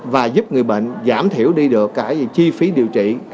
và giúp người bệnh giảm thiểu đi được cái chi phí điều trị